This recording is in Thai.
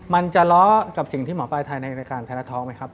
มันจะล้อกับสิ่งที่หมอบรายทายในการแทนละท้องไหมครับ